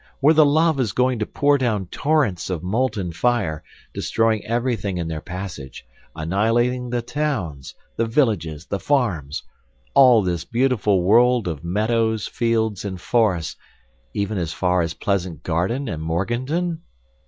Were the lavas going to pour down torrents of molten fire, destroying everything in their passage, annihilating the towns, the villages, the farms, all this beautiful world of meadows, fields and forests, even as far as Pleasant Garden and Morganton?